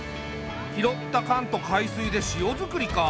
拾った缶と海水で塩づくりか。